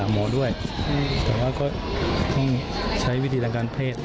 หมอด้วยแต่ว่าก็ต้องใช้วิธีทางการเพศ